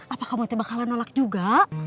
apa kamu tuh bakalan nolak juga